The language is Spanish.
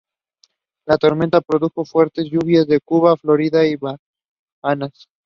La tormenta produjo fuertes lluvias en Cuba, Florida y las Bahamas.